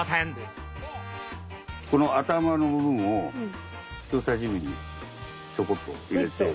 この頭の部分を人さし指でちょこっと入れて。